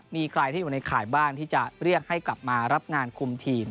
มีใครที่อยู่ในข่ายบ้างที่จะเรียกให้กลับมารับงานคุมทีม